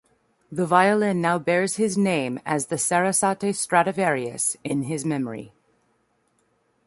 The violin now bears his name as the "Sarasate Stradivarius" in his memory.